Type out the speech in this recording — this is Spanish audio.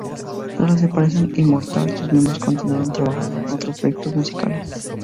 Tras la separación de Immortal sus miembros continuaron trabajando en otros proyectos musicales.